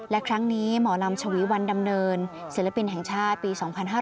และครั้งนี้หมอลำชวีวันดำเนินศิลปินแห่งชาติปี๒๕๕๙